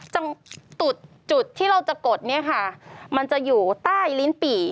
ตรงจุดที่เราจะกดเนี่ยค่ะมันจะอยู่ใต้ลิ้นปี่